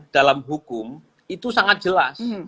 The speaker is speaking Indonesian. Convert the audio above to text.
dalam hukum itu sangat jelas